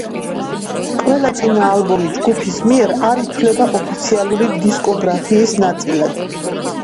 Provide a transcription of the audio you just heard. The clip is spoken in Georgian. ყველა წინა ალბომი ჯგუფის მიერ არ ითვლება ოფიციალური დისკოგრაფიის ნაწილად.